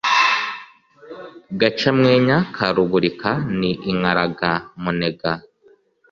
Gacamwenya ka Rubulika ni Inkaraga-munega